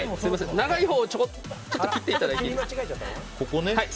長いほうをちょっと切っていただいて。